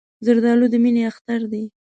زردالو د مینې اختر دی.